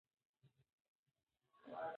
که ژبه ساده وي نو زده کړه اسانه ده.